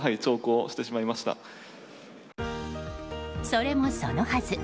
それもそのはず